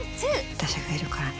私がいるからね。